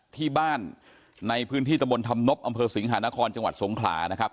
ที่บ้านในพื้นที่ตะบนธรรมนบอำเภอสิงหานครจังหวัดสงขลานะครับ